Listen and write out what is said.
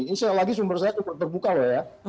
ini sekali lagi sumber saya cukup terbuka loh ya